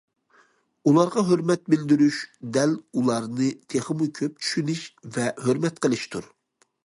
ئۇلارغا ھۆرمەت بىلدۈرۈش دەل ئۇلارنى تېخىمۇ كۆپ چۈشىنىش ۋە ھۆرمەت قىلىشتۇر.